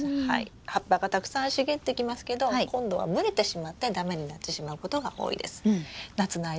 葉っぱがたくさん茂ってきますけど今度は蒸れてしまって駄目になってしまうことが多いです。